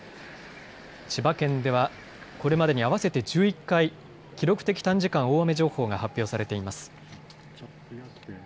千葉県ではこれまでに合わせて１１回、記録的短時間大雨情報が発表されています。